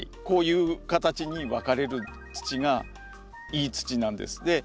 こういう形に分かれる土がいい土なんです。